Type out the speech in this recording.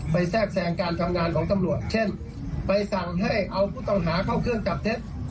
แทรกแทรงการทำงานของตำรวจเช่นไปสั่งให้เอาผู้ต้องหาเข้าเครื่องจับเท็จ